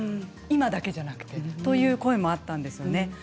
今だけじゃなくて、という声もあったんですよね。